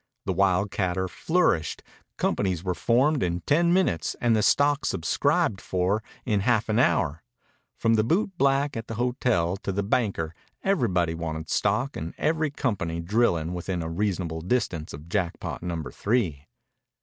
The wildcatter flourished. Companies were formed in ten minutes and the stock subscribed for in half an hour. From the bootblack at the hotel to the banker, everybody wanted stock in every company drilling within a reasonable distance of Jackpot Number Three.